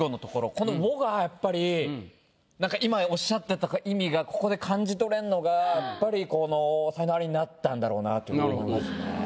この「を」がやっぱりなんか今おっしゃってた意味がここで感じ取れるのがやっぱりこの才能アリになったんだろうなと思いますね。